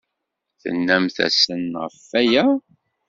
Tennamt-asen ɣef waya?